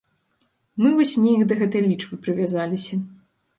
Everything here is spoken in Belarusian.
Мы вось неяк да гэтай лічбы прывязаліся.